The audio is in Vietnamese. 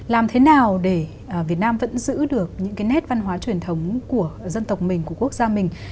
làm thế nào để việt nam vẫn giữ được những cái nét văn hóa truyền thống của dân tộc mình của quốc gia mình